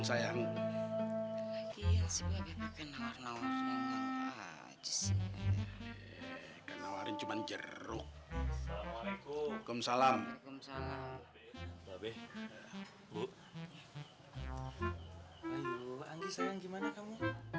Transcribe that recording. sayang kelawarin cuman jeruk salam salam salam bu